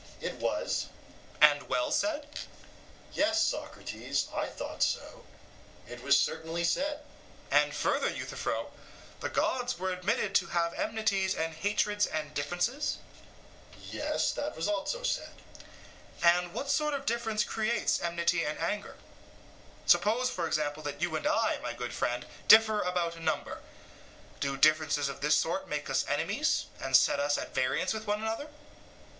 EUTHYPHRO: It was. SOCRATES: And well said? EUTHYPHRO: Yes, Socrates, I thought so; it was certainly said. SOCRATES: And further, Euthyphro, the gods were admitted to have enmities and hatreds and differences? EUTHYPHRO: Yes, that was also said. SOCRATES: And what sort of difference creates enmity and anger? Suppose for example that you and I, my good friend, differ about a number; do differences of this sort make us enemies and set us at variance with one another?